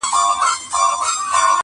سپرلی ټینکه وعده وکړي چي را ځمه.